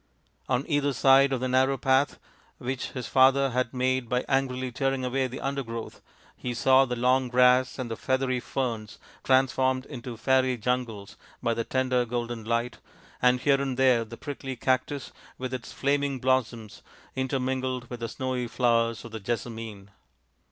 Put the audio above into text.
On either side of the narrow path, which his father had made by angrily tearing away the undergrowth, he saw the 264 THE INDIAN STORY BOOK long grass and the feathery ferns transformed into fairy jungles by the tender golden light, and here and there the prickly cactus with its flaming blossoms intermingled with the snowy flowers of the jessamine.